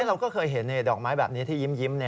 เราเคยเห็นดอกม้ายแบบนี้ที่ยิ้มนี่นะ